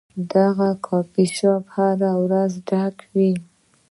دا کافي شاپ هره ورځ ډک وي.